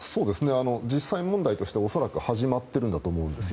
実際問題としては恐らく始まっているんだと思うんです。